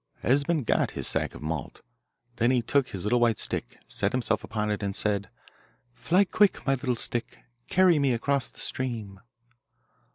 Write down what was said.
Esben got his sack of malt; then he took his little white stick, set himself upon it, and said, Fly quick, my little stick, Carry me across the stream.